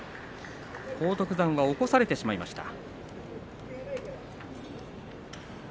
荒篤山、起こされてしまいました。